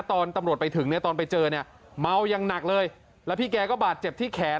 ตอนตำรวจไปถึงเนี่ยตอนไปเจอเนี่ยเมายังหนักเลยแล้วพี่แกก็บาดเจ็บที่แขน